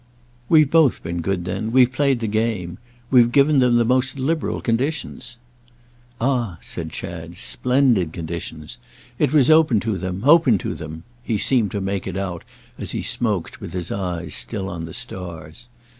"We've both been good then—we've played the game. We've given them the most liberal conditions." "Ah," said Chad, "splendid conditions! It was open to them, open to them"—he seemed to make it out, as he smoked, with his eyes still on the stars.